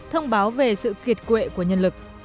năm trăm linh một thông báo về sự kiệt quệ của nhân lực